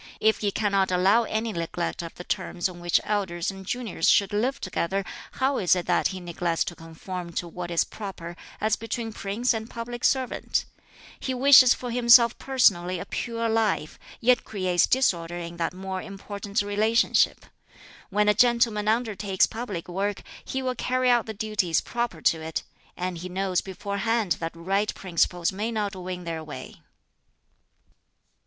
If he cannot allow any neglect of the terms on which elders and juniors should live together, how is it that he neglects to conform to what is proper as between prince and public servant? He wishes for himself personally a pure life, yet creates disorder in that more important relationship. When a gentleman undertakes public work, he will carry out the duties proper to it; and he knows beforehand that right principles may not win their way."